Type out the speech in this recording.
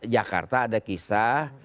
jakarta ada kisah